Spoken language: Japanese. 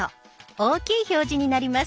大きい表示になります。